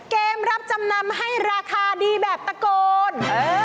เกมรับจำนำให้ราคาดีแบบตะโกน